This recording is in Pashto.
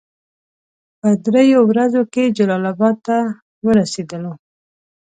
په دریو ورځو کې جلال اباد ته ورسېدلو.